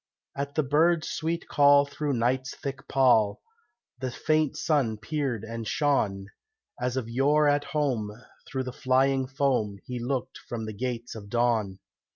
At the bird's sweet call through night's thick pall The faint sun peered and shone, As of yore at home through the flying foam He looked from the gates of dawn.